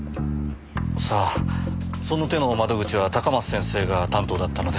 さあその手の窓口は高松先生が担当だったので。